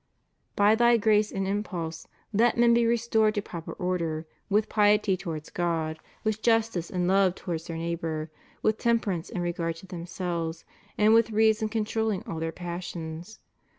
By Thy grace and impulse let men be restored to proper order, with piety towards God, with justice and love towards their neighbor, with temperance in regard to themselves, and with reason controlling all their passions.